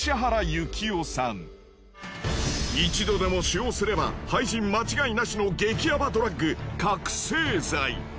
一度でも使用すれば廃人間違いなしの激ヤバドラッグ覚せい剤。